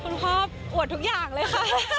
พ่ออวดทุกอย่างเลยค่ะ